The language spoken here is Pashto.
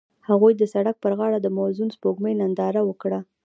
هغوی د سړک پر غاړه د موزون سپوږمۍ ننداره وکړه.